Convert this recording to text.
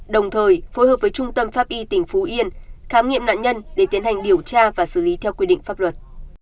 đồng thời phối hợp với trung tâm pháp y tỉnh phú yên khám nghiệm nạn nhân để tiến hành điều tra và xử lý theo quy định pháp luật